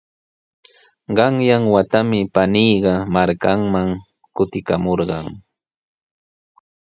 Qanyan watami paniiqa markanman kutikamurqan.